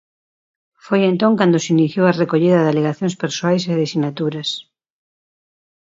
Foi entón cando se iniciou a recollida de alegacións persoais e de sinaturas.